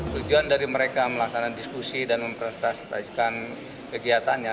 tujuan dari mereka melaksanakan diskusi dan mempresentasikan kegiatannya